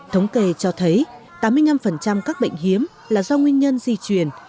thống kê cho thấy tám mươi năm các bệnh hiếm là do nguyên nhân di truyền